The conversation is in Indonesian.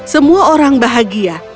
semua orang bahagia